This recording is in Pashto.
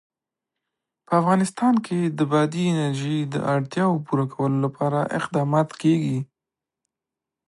په افغانستان کې د بادي انرژي د اړتیاوو پوره کولو لپاره اقدامات کېږي.